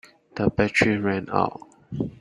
The battery ran out.